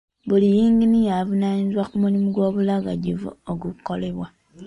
Buli yinginiya avunaanyizibwa ku mulimu gw'obulagajjavu ogukolebwa.